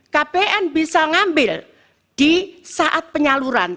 kpn bisa ngambil di saat penyaluran